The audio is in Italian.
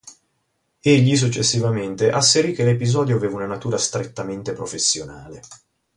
Egli successivamente asserì che l'episodio aveva una natura strettamente professionale.